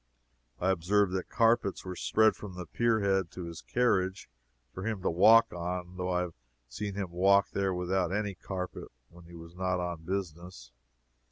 I observed that carpets were spread from the pier head to his carriage for him to walk on, though I have seen him walk there without any carpet when he was not on business.